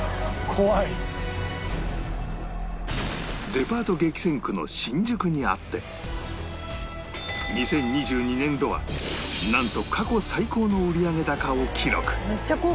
デパート激戦区の新宿にあって２０２２年度はなんと過去最高の売上高を記録